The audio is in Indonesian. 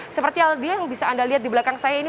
seperti aldia yang bisa anda lihat di belakang saya ini